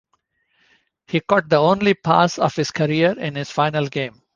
He caught the only pass of his career in his final game.